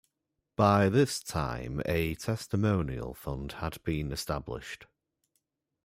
By this time, a testimonial fund had been established.